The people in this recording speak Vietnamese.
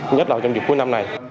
nhất là trong dịp cuối năm này